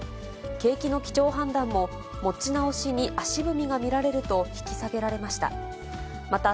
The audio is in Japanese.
景気の基調判断も、持ち直しに足踏みが見られると引き下げられました。